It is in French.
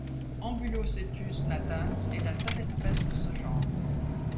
Ambulocetus natans est la seule espèce de ce genre.